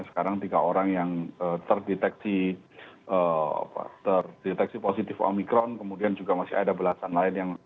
sekarang tiga orang yang terdeteksi positif omikron kemudian juga masih ada belasan lain yang